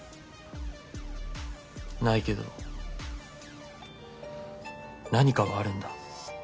ないけど何かはあるんだ。